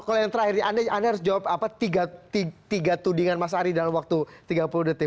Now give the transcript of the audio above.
kalau yang terakhir anda harus jawab tiga tudingan mas ari dalam waktu tiga puluh detik